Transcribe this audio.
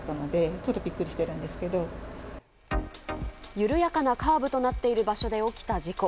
緩やかなカーブとなっている場所で起きた事故。